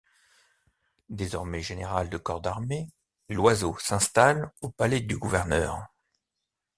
Désormais général de corps d'armée, Loizeau s'installe au palais du Gouverneur.